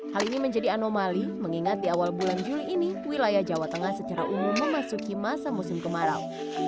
hal ini menjadi anomali mengingat di awal bulan juli ini wilayah jawa tengah secara umum memasuki masa musim kemarau